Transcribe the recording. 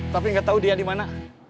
tapi nggak tahu dia di mana